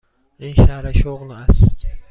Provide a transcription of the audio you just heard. این شرح شغل است.